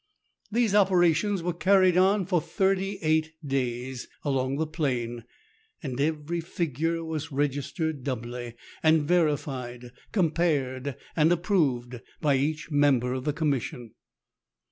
These operations were carried on for thirty eight days along the plain, and every figure was registered doubly, and verified, compared, and approved, by each member of the Commission.